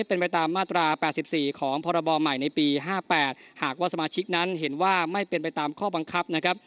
เป็นไปตามมาตราแปดสิบสิบสี่ของพรบใหม่ในห้าแปดหากว่าสำาชิกนั้นเห็นว่าไม่เป็นไปตามข้อบังคับนะครับ